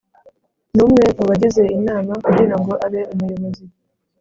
numwe muba gize inama kugira ngo abe umuyobozi